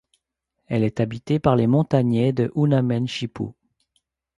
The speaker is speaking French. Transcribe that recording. Elle est habitée par les Montagnais de Unamen Shipu.